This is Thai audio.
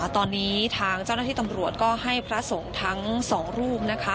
ตอนนี้ทางเจ้าหน้าที่ตำรวจก็ให้พระสงฆ์ทั้งสองรูปนะคะ